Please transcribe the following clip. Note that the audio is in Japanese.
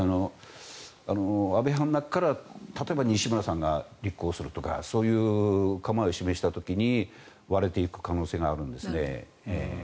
安倍派の中から例えば西村さんが立候補するとかそういう構えを示した時に割れていく可能性があるんですね。